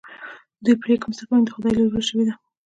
دې پرېکړه مستقیماً د خدای له لوري شوې ده.